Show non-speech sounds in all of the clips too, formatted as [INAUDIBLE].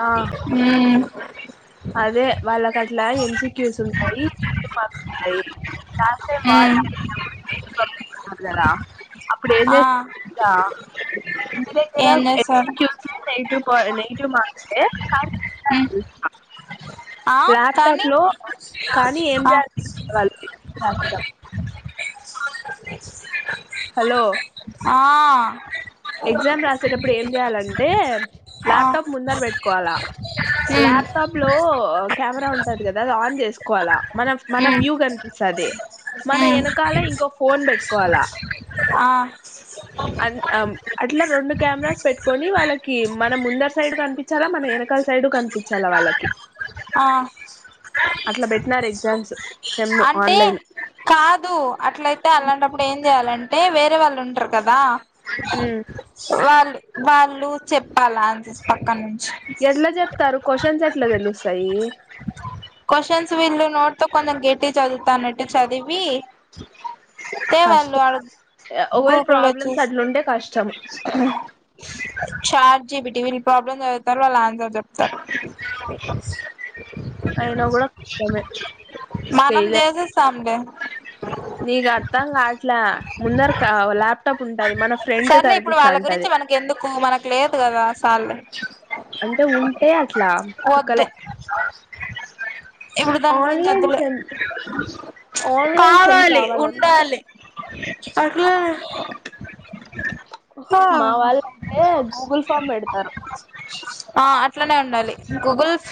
ఆ ఉమ్ అదే వాళ్ళకట్లా ఎం సీ క్యూస్ ఉంటాయి ఉమ్ [UNINTELLIGIBLE] అప్పుడు ఏంజే ఆ [UNINTELLIGIBLE] తెలుసా ఇంటి దగ్గర ఏం ఎక్స్ చేస్తాడు [UNINTELLIGIBLE] రైటు పో నెగె ఇటు మార్చకే కానీ ఉ ల్యాప్టాప్ లో కానీ ఏం జ ఆ [UNINTELLIGIBLE] వాళ్ళు ర్యాపిడో హలో ఆ ఎగ్జామ్ రాసేటప్పుడు ఏం చేయాలంటే ఆ ల్యాప్టాప్ ముందర పెట్టుకోవాలా ఉమ్ కెమెరా ఉంటది కదా అది ఆన్ చేసుకోవాలా మన మన ఉమ్ వ్యూ కపి సదే ఉమ్ ఆ ఆన్ న్నం అట్లా రెండు కెమెరాస్ పెట్టుకొని వాళ్ళకి మన ముందర సైడ్ కనిపించాలా మన వెనకాల సైడ్ కనిపించాలా వాళ్ళకి ఆ అ అట్ల అయితే అలాంటప్పుడు ఏం చేయాలం అే వేరే వాళ్ళుంటరు కదా ఉమ్ వాల్ వాళ్ళు చెప్పాలా ఆన్సర్స్ పక్క నుంచి ఎట్లా చెప్తారు క్వశ్చన్స్ ఎట్లా తెలుసు సై క్వశచన్స్ వీళ్ళు నోటుతో కొంచెం గట్టి చదువుతానట్టు చదివి తె వాళ్ళు కష్టం వా ఒకవేళ గూగుల్ ప్రాబ్లమ్స్ చూసి అట్లుంటే కష్టం చాట్ జిపిటి వీళ్ళు ప్రాబ్లమ్స్ చదువుతారు వాళ్ళ ఆన్సర్ చెప్ ఏయ్ బ్ల మనం చేసేస్తాంలే సర్లే ఇప్పుడు వాళ్ళ గురించి మనకి ఎందుకు మనకు లేదు కదా సాల్లే అంటే ఉంటే అ వద్దు ఇప్పుడు దాని గురించి అదులే ఆన్లైన్ సెమ్ కావాలి కావాలన్నా ఉండాలి అట్లానే మా వాళ్ళ అంటతే గూగుల్ ఫామ్ పెడతారు ఆ ఇస్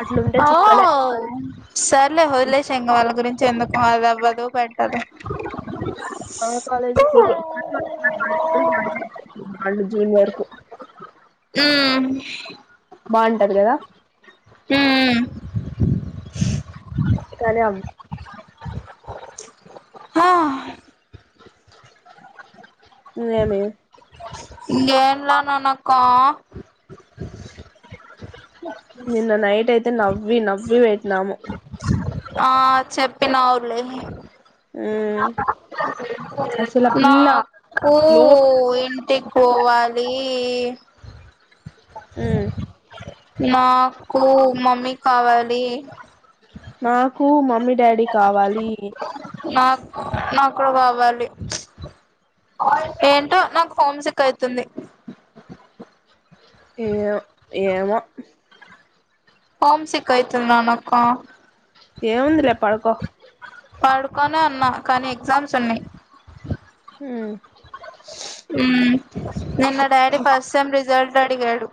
అట్లుంటే ఆ ఓ చుక్కలే సరే ఫ్రెండ్స్........ !. నా. మన కాలేజీ గ్రూప్ లోనే వాళ్ళ జూనియర్ కు ఆ ఉమ్ బాగుంటది కదా ఉమ్మ్ కానీ హా ఇదేమీ యెన్నల్ల ననక నిన్న నైట్ అయితే నవ్వి నవ్వి వెట్టిన్నాము. ఆ చెప్పినావు లే అసలు ఆ పిల్ల నాకూ లో ఇంటిక్ పోవాలి. ఏ మ్ నాకూ మమ్మీ కావాలి. నాకు మమ్మీ డాడీ కావాలి నాక్ నాకు కావాలి. ఏంటో నాకు హోమ్ సిక్ అయితుంది. యో ఏమో హోమ్ సిక్ అయితున్నాను అక్క ఏముందిలే పడుకో పడుకునే ఉన్న కానీ ఎగ్జామ్స్ ఉన్నాయి ఉమ్ మ్ నిన్న డాడీ ఫస్ట్ సెమ్ రిజల్ట్ దడిగాడు.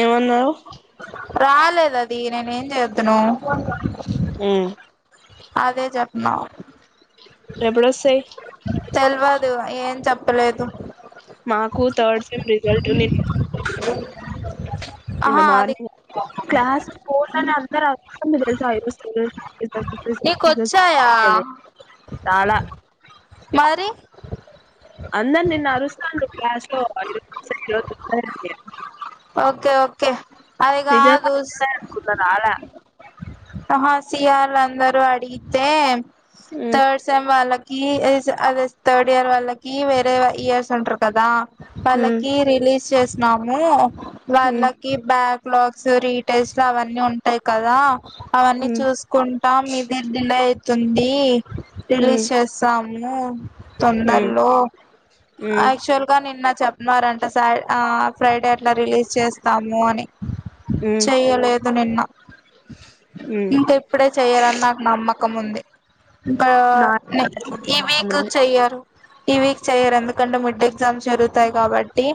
ఏమన్నవ్ రాలేదది నేనేఏం చేత్తును. హమ్ అదే చెప్నావు ఎపుడొస్సాయ్. తెల్వదు ఏం చెప్పలేదు మాకు థర్డ్ [UNINTELLIGIBLE] నిన్న ఆహా అది మార్నింగ్ క్లాస్ పోతానే అందరూ నీకొచ్చాయా [UNINTELLIGIBLE] చాలా మరి అందర్ నిన్న అరుస్తుండు క్లాసులో అందరూ [UNINTELLIGIBLE] ఓకే ఓక్ ఓకే నిజంగా అదిగాదుస్ వస్తాయి అనుకున్న రాలా ఆహా సియార్ అందరు అడిగితే ఉమ్ థర్డ్ సెమ్ వాలకు ఈ ఏజ్ అదే థర్డ్ ఇయర్ వాళ్ళకి వేరే ఇయర్స్ ఉంటరు కదా ఉమ్ వాళ్ళకి రిలీజ్ చేసినాము వాళ్ళకి బ్యాక్ లాగ్స్ రీ టేస్ట్లు అవన్నీ ఉంటాయి కదా అవన్నీ ఉమ్ చూసుకుంటాం [UNINTELLIGIBLE] తుంది రిలీస్ ఉమ్ చేస్తాం అమ్మో ఉమ్ తొందర్లో, ఉమ్ యాక్చువల్ గా నిన్న చెప్నారంట సైడ్ ఆ ఫ్రైడే అట్లా రిలీజ్ చేస్తాము అని ఉమ్ ఉమ్ చేయలేద్ పదునిన్న ఉమ్ ఇంకా ఇప్పుడే చెయ్యారని నాకు నమ్మకం ఉంది. బ నా న ఈ నమ్మకం వీకు ఉంది చెయ్యరు. ఈ వీక్ చెయ్యరెందుకండ ముడ్డే. ఎగ్జమ్ జరుగుతాయి కాబట్టి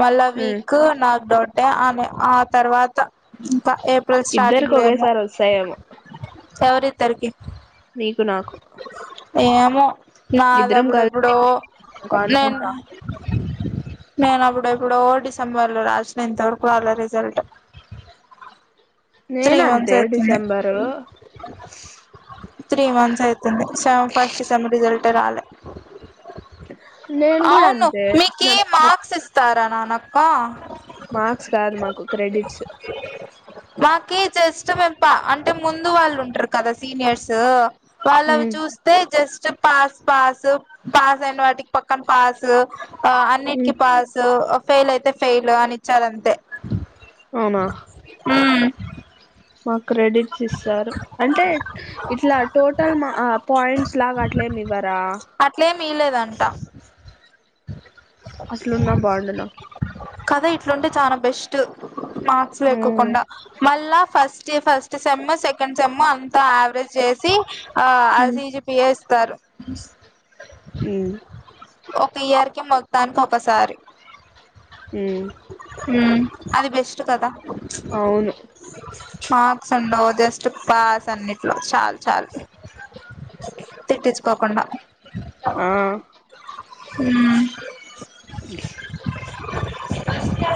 మళ్ళా ఉమ్ వీకు నాకు డౌటెే. మే ఆ తర్వాత్ త్ ఇంకా ఏప్రిల్ స్టార్ట్ ఇద్దరకు ఒకేసారి వస్తాయేమో ఎవరి తర్కి నీకు నాకు ఏమెు ఇద్దరం నాదపుడెపుడో కలిసి నేన్ కాన్ఫరెన్స్ నేనపుడెప్పుడో డిసెంబర్ లో రాసిన ఇంతవరకు రాలే రిజల్ట్. త్రీ నేను అంతే మంత్స్ అయితుంది డిసెంబరు అవుతుంది సా ఫస్ట్ సెమ్ రిజల్ట్ అట్టరాలే నేను కూడా అవును అంతే మీకీ డిసెంబర్ మార్క్స్ ఇస్తారా నానక్క మార్క్స్ కాదు మాకు క్రెడిట్స్ మాకి జస్ట్ మేం పా అంటే ముందు వాళ్ళు ఉంటారు కదా సీనియర్స్ వాళ్ళవి ఉమ్, చూస్తే జస్ చ పాస్ పాసు పాస్ అన్న వాటి పక్కన పాసు ఆ అన్నిటికి ఉమ్, పాసు ఫెయిల్ అయితే ఫెయిల్ అని ఇచ్చారు అంతే అవునా మా క్రెడిట్స్ ఇస్తారు అంటే ఇట్లా టోటల్ మా ఆ పాయింట్స్ లాగా అట్లే మీవ తా వీలేదంట అట్లున్నా బాగుండు నాకి కథ ఇట్లుంటే చానా బెస్ట్ మార్క్స్ ఉమ్, ఎక్కకుండా మళ్ళా ఫస్ జై ఫస్ట్ సెమ్ సెకండ్ సెమ్ అంతా యావరేజ్ చేసి ఆ ఉమ్, అజీజి పిఎస్ తర్ హుమ్ ఒక ఇయర్ కి మొత్తానికి ఒకసారి హుమ్ హుమ్ అది బెస్ట్ కదా అవును మార్క్స్ ఉండవ్ జస్ట్ పాస్ అన్నిట్లో చాలు చాలు తిట్టించుకోకుండా ఆ హ్మ్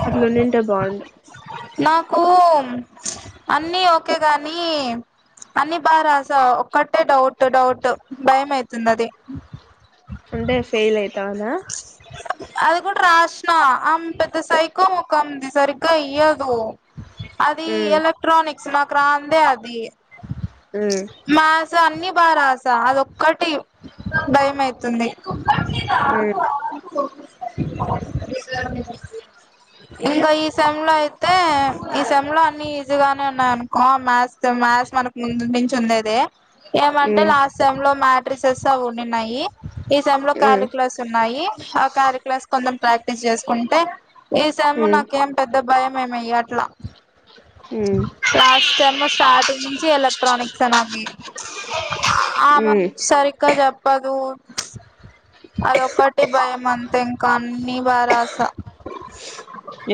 అట్లుండింటే బాగుండు నాకు అన్నీ ఒకే గాని అన్నీ బా రాస ఒక్కటే డౌట్ డౌట్ భయం ఐతుంది అది ఉండే ఫైల్ ఐతా నా ఆ అది కూడా రాశిన ఆమ్ పెద్ద సైకో ముఖం ది సరిగ్గా ఇయ్యదు అదీ ఎలక్ట్రానిక్ నాకురాందే అది మాస అన్ని ప రాస అదొక్కటి భయం అయితుంది హుమ్ [INAUDIBLE] ఇంగొ ఈ సెమ్ లో అయితే ఈ సెమ్ లో అన్ని జిగానే ఉన్నాను కామస్ మాస్ మనకి చందేదే ఏమంటే లాస్ట్ సేమ్లో మ్యా డ్రెస్సెస్ అవుఉన్నిన్నాయి ఈ సెమ్ లో ఉమ్ కాళీ క్లాస్ ఉన్నాయి కాళీ క్లాస్ కొంచెం ప్రాక్టీస్ చేసుకుంటే ఈ సమ్ ఉమ్ నాకేం పెద్ద భయం ఏమి ఎయ్యాట్ల ఉమ్ లాస్ట్ స్టెమ్ స్టార్టింగ్ నుంచి ఎలక్ట్రానిక్స్ నాది ఆమె ఉమ్ సరిగ్గా చెప్పదు అదొక్కటి భయం అంతే ఇంకా అన్ని బాగా రాసా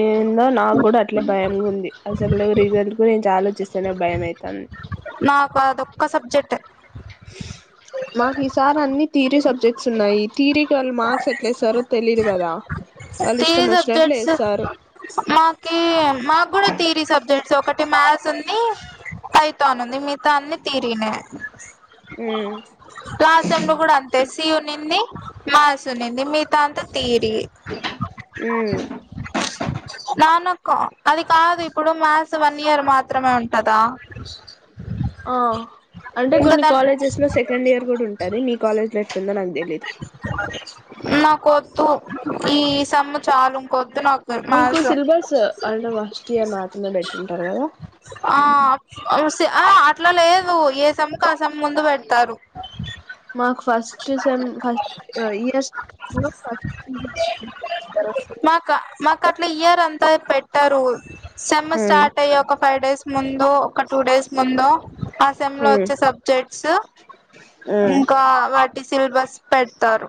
ఏందో నాక్కూడా అట్లే భయంగా ఉంది అసలు రిజల్ట్ గురించి ఆలోచిస్తే చనా భయమైతాంది నాకు అదొక్క సబ్జెక్ట్ మాకు ఈసారి అన్ని థిరీ సబ్జెక్ట్స్ ఉన్నాయి థిరీకి వాళ్ళు మార్క్స్ ఎట్లేస్తారో తెలిదు కదా వాళ్ళు ఇష్టం థియరీ వచ్చినట్లు సబ్జెక్ట్స్ ఏస్తారు. మాకి మాకు పైథానుంది మి తన్ని తీరీనే ఉమ్ లలాస్ట్ సేమ్ లో కూడా అంతే సి ఉనిన్ని మా సునీంది మీతంతా తీరి ఉమ్ నాను క అది కాదు ఇప్పుడు మ్యాస్ వన్ ఇయర్ మా ఆ అంటే ఇంకా కొన్ని దాని కాలేజెస్ లో సెకండ్ ఇయర్ కూడా ఉంటుంది మీ కాలేజీలో ఎట్లుంటదో నాకు తేల్ నా కోద్దు ఈ సమ్ము చాలుం కో మీకు సిలబస్ అంట ఫస్ట్ ఇయర్ మాత్రమే పెట్టింటారు కదా ఆ ఆ అట్లా లేదు ఏ సేమ్కుఆ సమ్ ముందు పెడతారు మాకు ఫస్ట్ సెమ్ ఫస్ట్ ఇయర్ స్ [INAUDIBLE] కట్ల ఇయర్ అంతా పెట్టారు సెమ్ ఉమ్ స్టార్ట్ అయ్యి ఒక ఫైవ్ డేస్ ముందు లో ఒక టూ డేస్ ముందు ఆ సెమ్ లో ఉమ్ వచ్చే సబ్జెక్ట్స్ ఉమ్ ఇంకా వాటి సిల్బస్ పెడతారు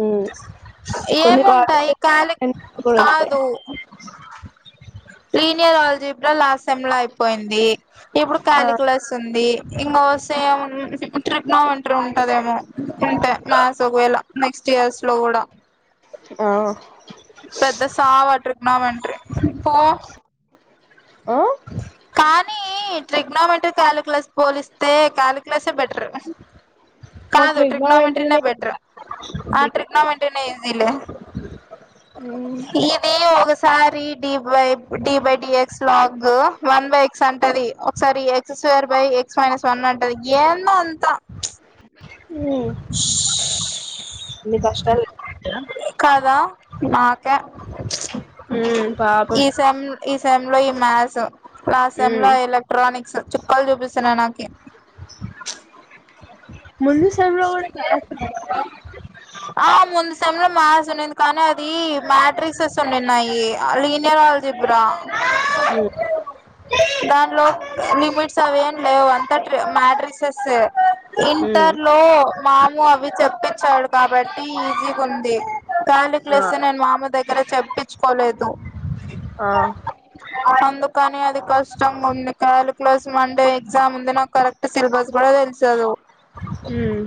ఉమ్ కొన్ని ఏముంటాయి కాలేజెస్ కాలి కూడా ఉంటాయి కాదు ప్రీమియర్ అల్జెప్పినర్ లాట్సమ్ లైఫ్ పోయింది ఇప్పుడు ఆ కాలీ క్లాస్ ఉంది ఇంకో సేమ్ ట్రిగనోమెంట్రీ ఉంటదేమో అంతే మ్యాథ్స్ ఒకవేళ నెక్స్ట్ ఇయర్స్ లో కూడా ఆ పెద్ద సావు ట్రిగ్నోమెట్రీ పో ఆ కానీ ట్రిగ్నోమెట్రీక కాలిక్లస్ పోలిస్తే క్యాలిక్యులేసే బెటర్ మాకు కాదు ట్రిగ్నోమెంటరీనే ట్రిగ్నోమెంట్రీనే బెటర్ ఇంకా ఆ బీటెక్ లో ట్రిగ్నోమెంటరీనే ఈజీలే ఉమ్ ఇది ఒక స్కూ సరి డీప్ డివైబ్ డి బై డి ఎక్స్ లోలాక్ వన్ బై ఎక్స్ అంటది ఒకసారి x square by x minus నన్నంటది ఏందో అంతా.. ఉమ్ ఇన్ని కష్టాలు కదా కదా నా ఉమ్ పాపం ఈ సెమ్ ఈ సెమ్ లో ఈ మాస్ స లాస్ట్ సెమ్ లో ఉమ్ ఎలక్ట్రానిక్స్. చుక్కలు చూపిస్తున్నాయి నాకి ముందు సేమ్ లో కూడా ఇట్ల కాస ఆ ముందు సెమ్ లో మ్యాథ్స్ ఉండింది కానీ అది మ్యాట్రిక్స్ ఎస్ ఉండిన్నాయి లీనియలజీ బ్రా హ దానిలో లిపిడ్స్ అవేం లేవు అంత మాడ్రిస్ ఉమ్ ఇంటర్ లో మాము అవి చెప్పి వచ్చాడు కాబట్టి ఈజీగుంది. ఆ కాలిక్లేషన్ నేన్ మామ దగ సరే చెప్పక ర్చుకోలేదు ఆ ఆనందం అ అది కష్టంగుంది కాలుక్యులేస్ మండే ఎగ్జామ్ ఉంది. నాకు కరెక్ట్ సిలబస్ కూడా తెలుసదు ఉమ్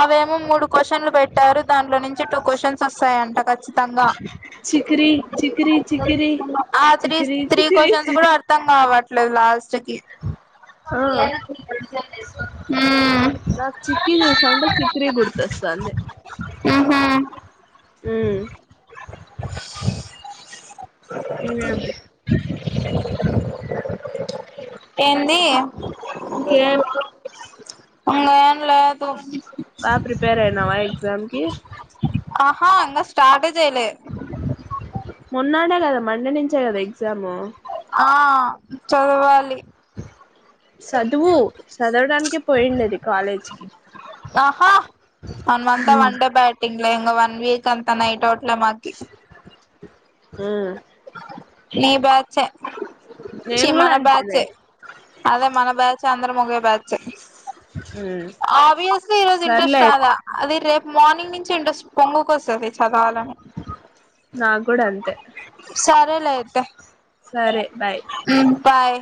అవేమో మూడు కోశన్లు పెట్టారు దాంట్లో నుంచి చెప్పు క్వశన్స్ వస్తాయంట కచ్చితంగా చికిరి చికిరి చికిరి ఆ చికిరి త్రీ చికిరి క్వశన్స్ ర్థం కావట్లేదు లాస్ట్ కి ఆ హ్మ్ నాకు చిక్కిీ చూస్తాంటే చిక్కిరీ గుర్తొస్తాంది మ్హూ హ్మ్ ఉ ఏంది ఇంకేం అంగనలే బా ప్రిపేయర్ అయినవా ఎగ్జమ్ కి హా ఇంగ స్టార్ట్ ఏ చేయలే మొన్నాడే కదా మండే నుంచే కదా ఎగ్జాము ఆ చదవాలి సదువు సదవడానికి పోయిండేది కాలేజ్కిి ఆహా మన్మంత వన్ డే బ్యాట్ ఇంగ ఇంగ వన్ వీక్ అంత నైట్ అవుట్లే మాకి హ్మ్ నీ బ చె చి కూడా మన అంతేలే బ్యాచె అదే మన బ్యాచ్ అందర ముగ బ్యాచె ఉమ్ ఆబ్వియస్లీ ఈరోజు సర్లే ఇంట్రెస్ట్ రాలా అది రే మార్నింగ్ నుంచి ఇంట్రస్ట్ పొంగుకొస్తది చదవాలని నాగ్ కూడా అంతే రేలే అయితే సరే బాయ్ ఉంటాయ్